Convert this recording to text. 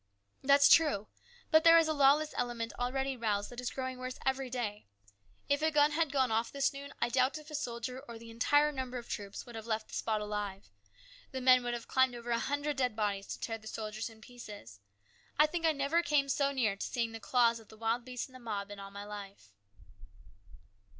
"That's true. But there is a lawless element already roused that is growing worse every day. If a gun had gone off this noon, I doubt if a soldier of the entire number of troops would have left the spot alive. The men would have climbed over a hundred dead bodies to tear the soldiers in pieces. I think I never came so near to seeing the claws of the wild beast in the mob in all my life."